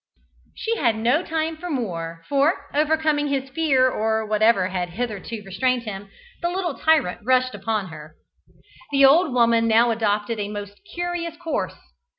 '" She had no time for more, for, overcoming his fear or whatever had hitherto restrained him, the little tyrant rushed upon her. The old woman now adopted a most curious course.